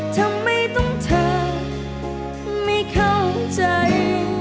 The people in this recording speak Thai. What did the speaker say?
ทำไมต้องเธอไม่เข้าใจ